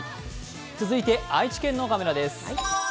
続いて、愛知県のカメラです